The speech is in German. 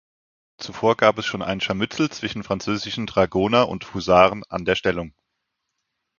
Zuvor gab es schon ein Scharmützel zwischen französischen Dragoner und Husaren an der Stellung.